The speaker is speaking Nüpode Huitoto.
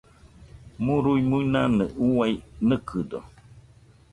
Murui-muinanɨ uai nɨkɨdo.